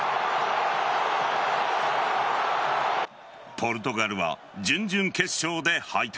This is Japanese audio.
ポルトガルは準々決勝で敗退。